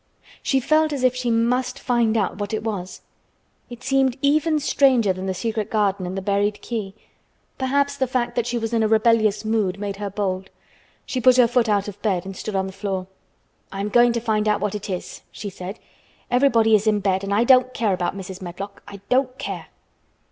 She felt as if she must find out what it was. It seemed even stranger than the secret garden and the buried key. Perhaps the fact that she was in a rebellious mood made her bold. She put her foot out of bed and stood on the floor. "I am going to find out what it is," she said. "Everybody is in bed and I don't care about Mrs. Medlock—I don't care!"